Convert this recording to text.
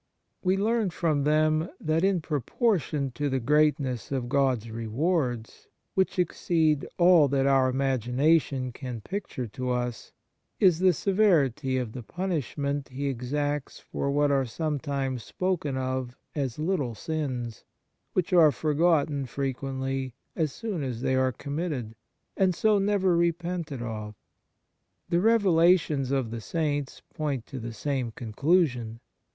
We learn from them that, in proportion to the greatness of God s rewards, which ex ceed all that our imagination can picture to us, is the severity of the punishment He exacts for what are sometimes spoken of as " little sins," which are forgotten, frequently, as soon as they are committed, and so never repented of. The revelations of the Saints point to the same conclusion.